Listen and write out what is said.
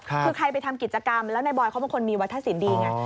คือใครไปทำกิจกรรมแล้วในบอยเขาบางคนมีวัฒนศิลป์ดี